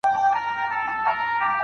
د ناپوهانو خبرو ته غوږ مه نيسه.